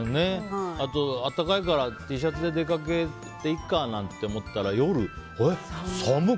あと暖かいからＴシャツで出かけていっかなんて思ったら夜寒い！